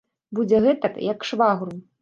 Будзе гэтак, як швагру.